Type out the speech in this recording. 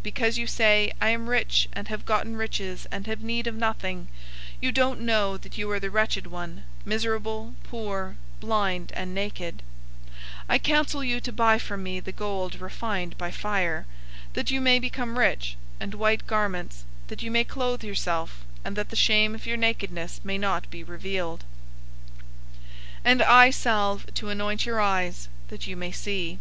003:017 Because you say, 'I am rich, and have gotten riches, and have need of nothing;' and don't know that you are the wretched one, miserable, poor, blind, and naked; 003:018 I counsel you to buy from me gold refined by fire, that you may become rich; and white garments, that you may clothe yourself, and that the shame of your nakedness may not be revealed; and eye salve to anoint your eyes, that you may see.